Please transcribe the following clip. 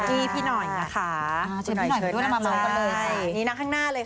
เชิญคุณหน่อยมาเริ่มกันเลย